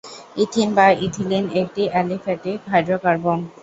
Ethene বা ethylene একটি aliphatic hydrocarbon.